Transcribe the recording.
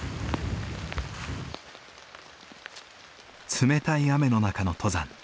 冷たい雨の中の登山。